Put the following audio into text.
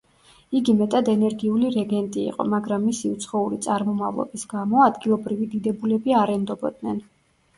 იგი მეტად ენერგიული რეგენტი იყო, მაგრამ მისი უცხოური წარმომავლობის გამო, ადგილობრივი დიდებულები არ ენდობოდნენ.